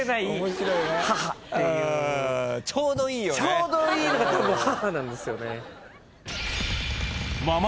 ちょうどいいのがたぶん母なんですよね。